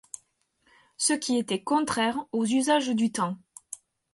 Ce qui était contraire aux usages du temps.